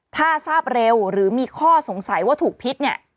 ถ้าทราบเร็วหรือมีข้อสงสัยว่าถูกพิษเนี่ย